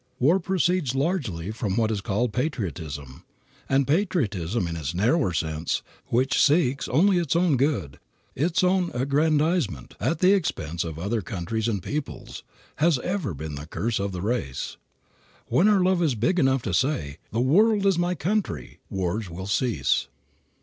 War proceeds largely from what is called patriotism. And patriotism in its narrower sense, which seeks only its own good, its own aggrandizement, at the expense of other countries and peoples, has ever been the curse of the race. When our love is big enough to say, "The world is my country," wars will cease.